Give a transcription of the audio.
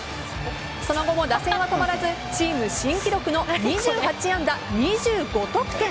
その後も打線は止まらずチーム新記録の２８安打２５得点。